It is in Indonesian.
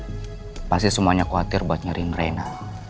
tapi saya yakin sih pasti semuanya khawatir buat nyariin renna